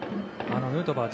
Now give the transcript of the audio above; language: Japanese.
ヌートバー